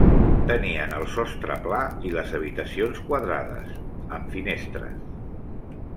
Tenien el sostre pla i les habitacions quadrades, amb finestres.